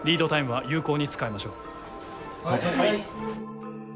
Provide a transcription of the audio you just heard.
はい。